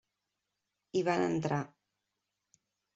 Hi van entrar.